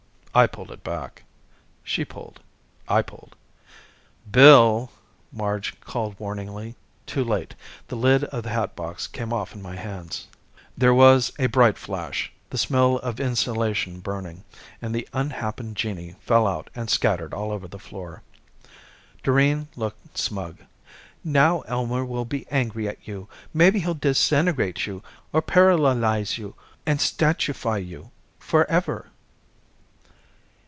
I pulled it back. She pulled. I pulled. "Bill " Marge called warningly. Too late. The lid of the hatbox came off in my hands. There was a bright flash, the smell of insulation burning, and the unhappen genii fell out and scattered all over the floor. Doreen looked smug. "Now Elmer will be angry at you. Maybe he'll disintegrate you. Or paralalize you and statuefy you. Forever."